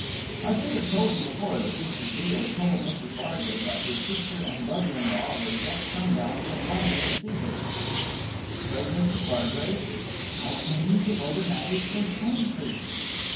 I should have told you before that Mrs. Veal told Mrs. Bargrave that her sister and brother in law were just come down from London to see her. Says Mrs. Bargrave, "How came you to order matters so strangely?"